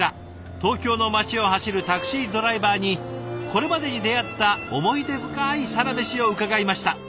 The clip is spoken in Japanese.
東京の街を走るタクシードライバーにこれまでに出会った思い出深いサラメシを伺いました。